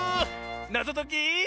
なぞとき。